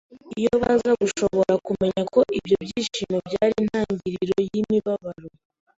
iyo baza gushobora kumenya ko ibyo byishimo byari intangiriro y'imibabaro